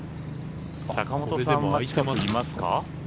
坂元さんはいますか？